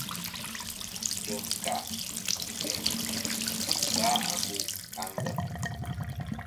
Ngem ka i bu læ kum bula àmbu' a ngèm.